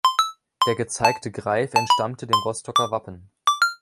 Der gezeigte Greif entstammte dem Rostocker Wappen.